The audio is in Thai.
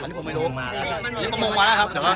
ลิฟต์ประวังมาแล้วครับ